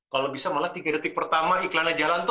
kalau bisa malah tiga detik pertama iklannya jalan tuh